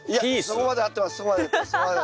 そこまで合ってます。